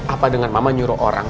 apa dengan mama nyuruh orang